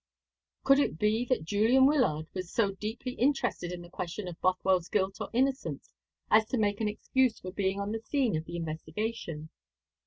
Could it be that Julian Wyllard was so deeply interested in the question of Bothwell's guilt or innocence as to make an excuse for being on the scene of the investigation?